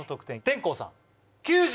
天功さん。